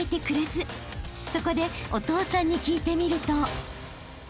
［そこでお父さんに聞いてみると］